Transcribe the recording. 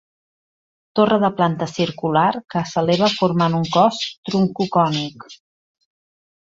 Torre de planta circular que s'eleva formant un cos troncocònic.